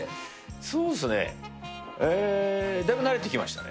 そうですね、だいぶ慣れてきましたね。